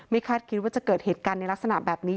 คาดคิดว่าจะเกิดเหตุการณ์ในลักษณะแบบนี้